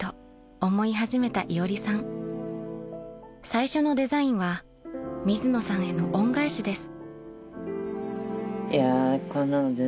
［最初のデザインは水野さんへの恩返しです］